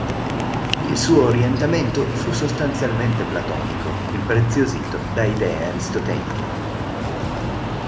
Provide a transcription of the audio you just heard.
Il suo orientamento fu sostanzialmente platonico, impreziosito da idee aristoteliche.